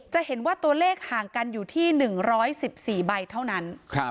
จะเห็นว่าตัวเลขห่างกันอยู่ที่๑๑๔ใบเท่านั้น